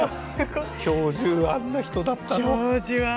教授、あんな人だったの？